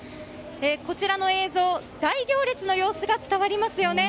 こちらの映像大行列の様子が伝わりますよね。